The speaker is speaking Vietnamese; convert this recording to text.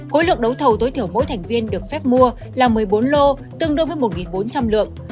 khối lượng đấu thầu tối thiểu mỗi thành viên được phép mua là một mươi bốn lô tương đương với một bốn trăm linh lượng